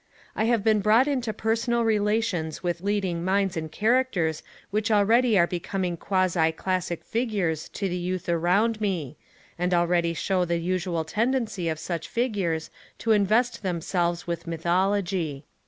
I have been brought into personal relations with leading minds and characters which already are becoming quasi classic figures to the youth around me, and already show the usual tendency of such figures to invest themselves with mythology.